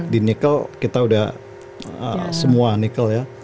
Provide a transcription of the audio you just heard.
di nikel kita udah semua nikel ya